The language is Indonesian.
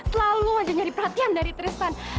selalu aja jadi perhatian dari tristan